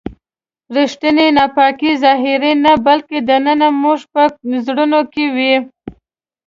ریښتینې ناپاکي ظاهري نه بلکې دننه زموږ په زړونو کې وي.